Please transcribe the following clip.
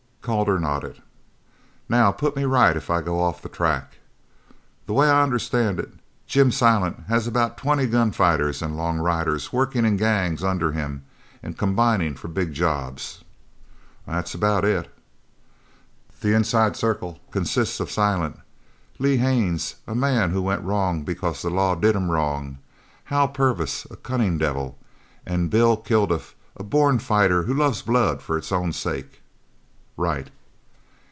Calder nodded. "Now put me right if I go off the track. The way I understand it, Jim Silent has about twenty gun fighters and long riders working in gangs under him and combining for big jobs." "That's about it." "The inside circle consists of Silent; Lee Haines, a man who went wrong because the law did him wrong; Hal Purvis, a cunning devil; and Bill Kilduff, a born fighter who loves blood for its own sake." "Right."